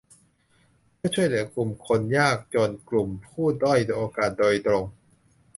เพื่อช่วยเหลือกลุ่มคนยากจนกลุ่มผู้ด้อยโอกาสโดยตรง